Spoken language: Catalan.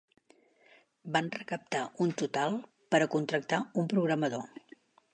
Van recaptar un total per a contractar un programador.